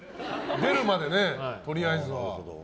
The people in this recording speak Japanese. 出るまで、とりあえずは。